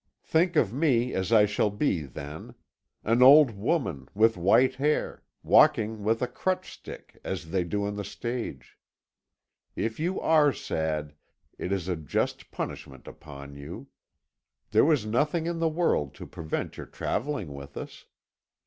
Think of me as I shall be then. An old woman, with white hair, walking with a crutch stick, as they do on the stage. If you are sad, it is a just punishment upon you. There was nothing in the world to prevent your travelling with us.